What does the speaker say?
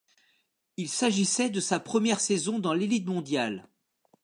Il s'agissait de sa première saison dans l'élite mondiale.